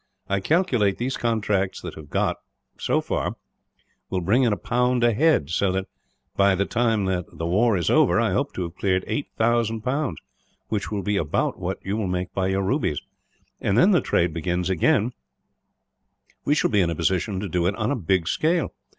I calculate these contracts that I have got will bring in a pound a head so that, by the time that the war is over, I hope to have cleared 8000 pounds, which will be about what you will make by your rubies; and when trade begins again, we shall be in a position to do it on a big scale.